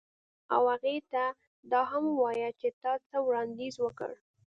او هغې ته دا هم ووایه چې تا څه وړاندیز وکړ